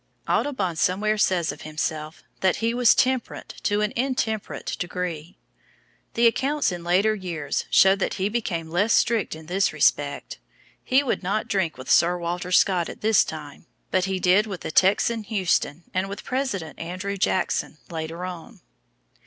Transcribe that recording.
Audubon somewhere says of himself that he was "temperate to an intemperate degree" the accounts in later years show that he became less strict in this respect. He would not drink with Sir Walter Scott at this time, but he did with the Texan Houston and with President Andrew Jackson, later on.